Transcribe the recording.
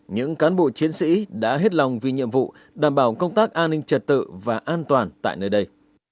những cán bộ chiến sĩ đã hết lòng vì nhiệm vụ đảm bảo công tác an ninh trật tự và an toàn tại nơi đây